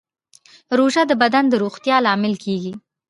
روژه د بدن د روغتیا لامل کېږي.